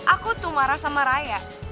aku tuh marah sama raya